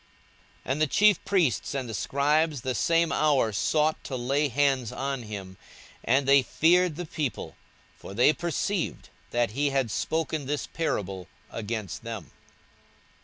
42:020:019 And the chief priests and the scribes the same hour sought to lay hands on him; and they feared the people: for they perceived that he had spoken this parable against them.